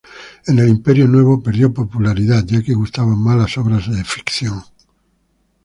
En el Imperio Nuevo perdió popularidad, ya que gustaban más las obras de ficción.